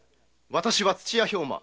私は土屋兵馬。